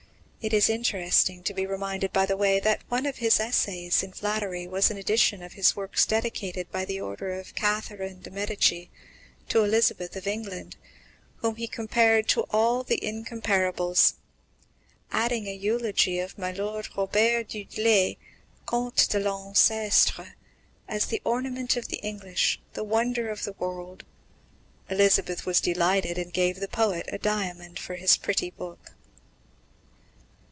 It is interesting to be reminded, by the way, that one of his essays in flattery was an edition of his works dedicated, by order of Catherine de Medicis, to Elizabeth of England, whom he compared to all the incomparables, adding a eulogy of "Mylord Robert Du Dlé comte de l'Encestre" as the ornament of the English, the wonder of the world. Elizabeth was delighted, and gave the poet a diamond for his pretty book.